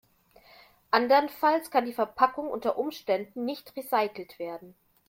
Andernfalls kann die Verpackung unter Umständen nicht recycelt werden.